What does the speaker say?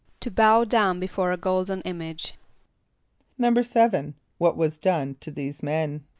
=To bow down before a golden image.= =7.= What was done to these men?